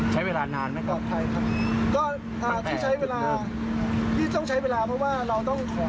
ใช้เวลานานไหมปลอดภัยครับก็อ่าที่ใช้เวลาที่ต้องใช้เวลาเพราะว่าเราต้องขอ